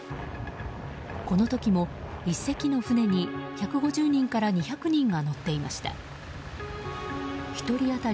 この時も、１隻の船に１５０人から２００人が乗っていました。